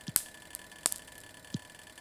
لطفآ شور مه کوه